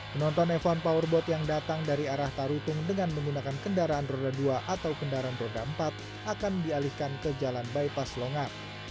penonton f satu powerboat yang datang dari arah tarutung dengan menggunakan kendaraan roda dua atau kendaraan roda empat akan dialihkan ke jalan bypass longat